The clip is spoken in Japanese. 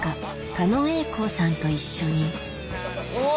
狩野英孝さんと一緒にうわ！